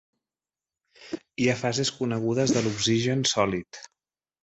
Hi ha fases conegudes de l'oxigen sòlid.